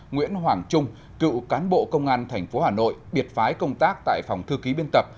nguyễn hoàng trung cựu cán bộ công an tp hà nội biệt phái công tác tại phòng thư ký biên tập